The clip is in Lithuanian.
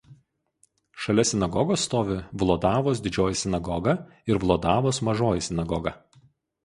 Šalia sinagogos stovi Vlodavos Didžioji sinagoga ir Vlodavos Mažoji sinagoga.